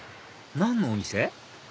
何のお店？